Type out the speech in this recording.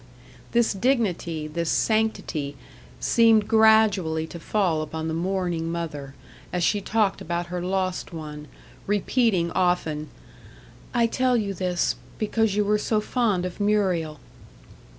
This dignity, this sanctity, seemed gradually to fall upon the mourning mother, as she talked about her lost one; repeating often "I tell you this, because you were so fond of Muriel."